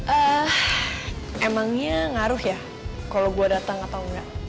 eh emangnya ngaruh ya kalo gue dateng atau enggak